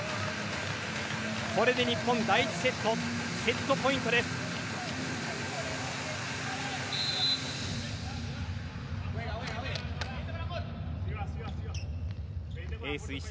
これで日本第１セットセットポイントです。